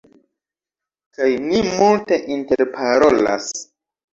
Kaj ni multe interparolas